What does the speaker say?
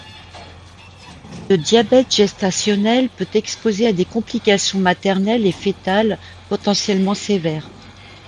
Le diabète gestationnel peut exposer à des complications maternelles et fœtales potentiellement sévères.